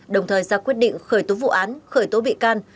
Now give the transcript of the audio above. đồng thời ra quyết định khởi tố vụ án khởi tố bị can